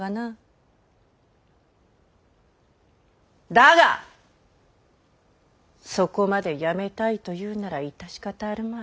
だがそこまでやめたいと言うなら致し方あるまい。